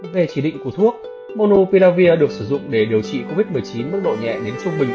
ngày chỉ định của thuốc monopia được sử dụng để điều trị covid một mươi chín mức độ nhẹ đến trung bình